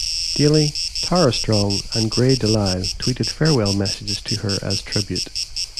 Daily, Tara Strong, and Grey DeLisle, tweeted farewell messages to her as tribute.